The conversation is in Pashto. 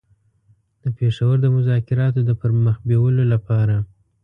د پېښور د مذاکراتو د پر مخ بېولو لپاره.